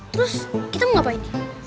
terus kita mau ngapain